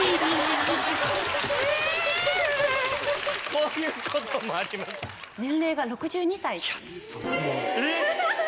こういうこともあります。えっ！